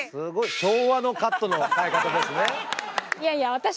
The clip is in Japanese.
昭和のカットの使い方ですね。